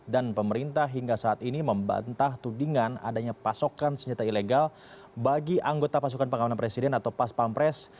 dan pemerintah hingga saat ini membantah tudingan adanya pasokan senjata ilegal bagi anggota pasukan pengamanan presiden atau pas pampres